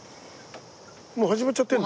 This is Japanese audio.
もう始まっちゃってるの？